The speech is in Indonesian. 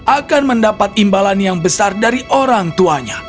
akan mendapat imbalan yang besar dari orang tuanya